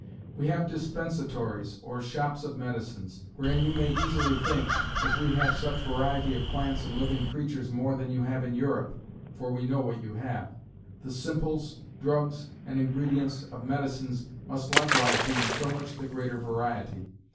"We have dispensatories, or shops of medicines. Wherein you may easily think, if we have such variety of plants and living creatures more than you have in Europe, (for we know what you have,) the simples, drugs, and ingredients of medicines, must likewise be in so much the greater variety.